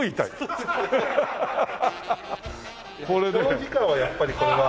長時間はやっぱりこれは。